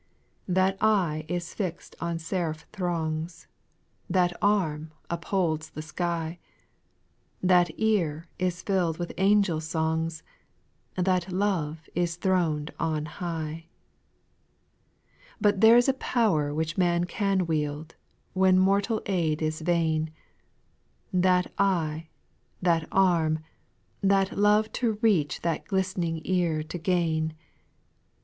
3. That eye is fix'd on seraph throngs ; That arm .upholds the sky ; That ear is fill'd with angel songs ; That love is thron'd on high. 4. But there 's a power which man can wield, When mortal aid is vain, That eye, that arm, that love to reach That listening ear to gain.